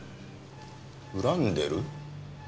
恨んでる？